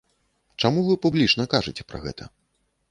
Чаму вы публічна кажаце пра гэта?